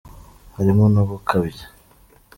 harimo no gukabya.